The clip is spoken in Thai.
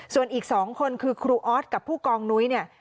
ส่วนอีก๒คนคือครูออสกับผู้กองนุ้ยเนี่ย